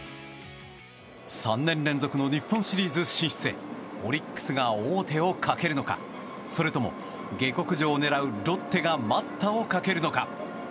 ３年連続の日本シリーズ進出へオリックスが王手をかけるのかそれとも、下克上を狙うロッテが待ったをかけるのか。